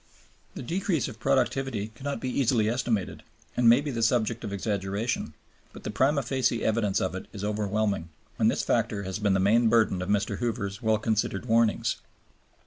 The decrease of productivity cannot be easily estimated, and may be the subject of exaggeration. But the primâ facie evidence of it is overwhelming, and this factor has been the main burden of Mr. Hoover's well considered warnings.